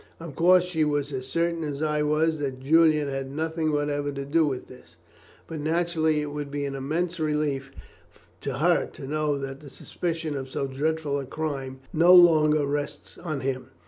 Of course, she was as certain as I was that Julian had nothing whatever to do with this, but naturally it will be an immense relief to her to know that the suspicion of so dreadful a crime no longer rests on him."